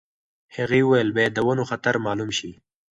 هغې وویل باید د ونو خطر مالوم شي.